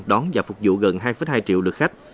đón và phục vụ gần hai hai triệu lượt khách